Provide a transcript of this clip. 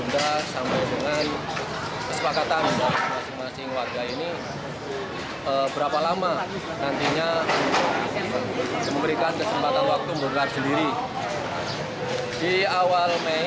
dan berikutnya mereka sudah membuat pernyataan